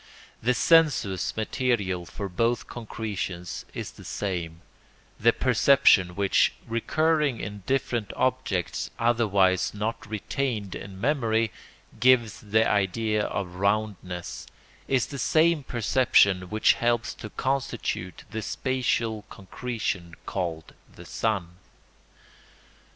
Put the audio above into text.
The sensuous material for both concretions is the same; the perception which, recurring in different objects otherwise not retained in memory gives the idea of roundness, is the same perception which helps to constitute the spatial concretion called the sun.